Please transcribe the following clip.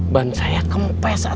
ban saya kempes atuh kum